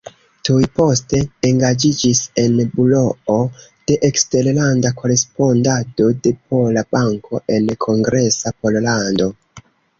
Tuj poste engaĝiĝis en buroo de eksterlanda korespondado de Pola Banko en Kongresa Pollando.